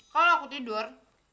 kalau aku tidur